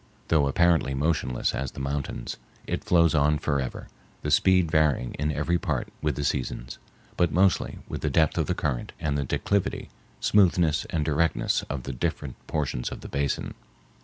Though apparently motionless as the mountains, it flows on forever, the speed varying in every part with the seasons, but mostly with the depth of the current, and the declivity, smoothness and directness of the different portions of the basin.